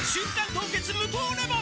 凍結無糖レモン」